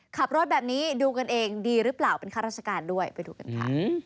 ขับรถแบบนี้ดูกันเองดีหรือเปล่าเป็นข้าราชการด้วยไปดูกันค่ะ